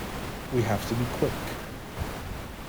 We have to be quick.